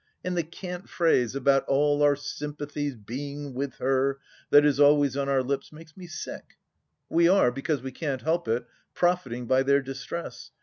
And the cant phrase about all our sympathies being with her that is always on our lips makes me sick. We are, because we can't help it, profiting by their distress.